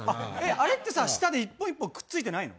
あれってさ、下で１本１本くっついてないの？